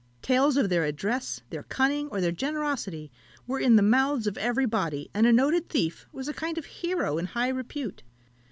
Tales of their address, their cunning, or their generosity, were in the mouths of every body, and a noted thief was a kind of hero in high repute.